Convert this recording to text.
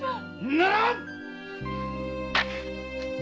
ならん‼